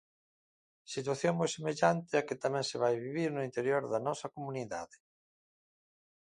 Situación moi semellante a que tamén se vai vivir no interior da nosa comunidade.